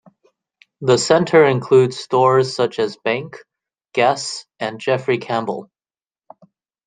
The centre includes stores such as Bank, Guess and Jeffrey Campbell.